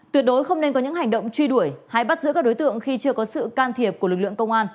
tuyệt đối không nên có những hành động truy đuổi hay bắt giữ các đối tượng khi chưa có sự can thiệp của lực lượng công an